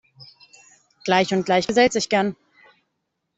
Gleich und Gleich gesellt sich gern.